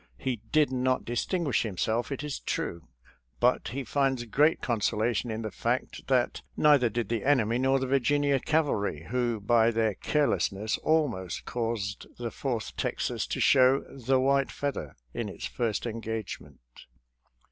He did not distinguish himself, it is true, but he finds great consolation in the fact that neither did the enemy nor the Virginia cavalry, who, by their careless ness, almost caused the Fourth Texas to show " the white feather " in its first engagement.